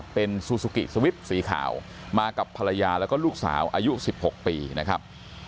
เป็นคุยกระป๋วสวิฟต์สีขาวมากับภรรยาแล้วก็ลูกสาวอายุสิบหกปีนะครับ